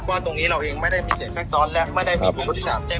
ก็ตรงนี้เราเองไม่ได้มีเสียงค่อยซ้อนและไม่ได้มีภาษีความเซ็บ